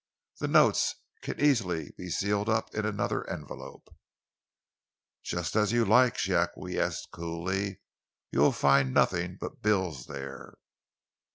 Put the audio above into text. The notes can easily be sealed up in another envelope." "Just as you like," she acquiesced coolly. "You will find nothing but bills there."